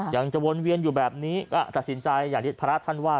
ยังจะวนเวียนอยู่แบบนี้ก็ตัดสินใจอย่างที่พระท่านว่า